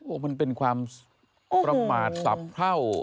โอ้มันเป็นความประมาทสับเท่า